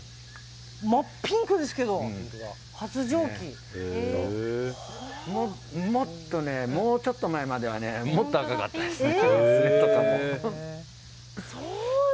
真ピンクですけどもうちょっと前まではもっと赤かったですね。